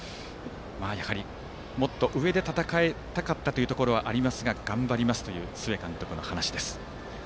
やはり、もっと上で戦いたかったというところはありますが頑張りますという須江監督の話です。